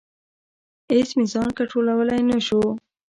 اېڅ مې ځان کنټرولولی نشو.